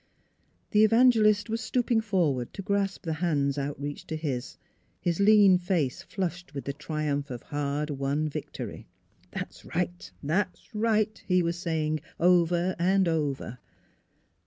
The evangelist was stooping forward to grasp the hands out reached to his, his lean face flushed with the tri umph of hard won victory. "That's right! That's right! " he was saying, over and over.